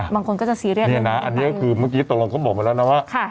ตรงนี้คือมันกิดตรงเราก็บอกมาแล้วเนี่ยว่า